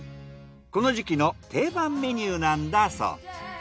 この時期の定番メニューなんだそう。